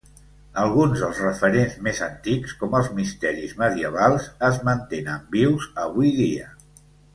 Alguns dels referents més antics, com els misteris medievals, es mantenen vius avui dia.